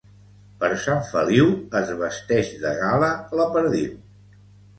Per Sant Feliu es vesteix de gala la perdiu.